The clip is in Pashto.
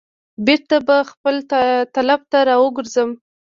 بیرته به خپل طلب ته را وګرځم.